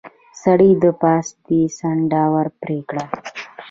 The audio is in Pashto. سړي د پاستي څنډه ور پرې کړه.